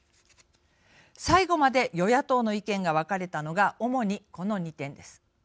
最後まで、与野党の意見が分かれたのが主に、この２点です。